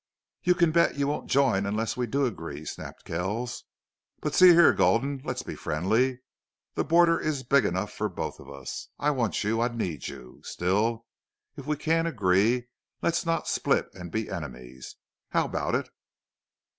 "You can bet you won't join unless we do agree," snapped Kells. "But see here, Gulden. Let's be friendly. The border is big enough for both of us. I want you. I need you. Still, if we can't agree, let's not split and be enemies. How about it?"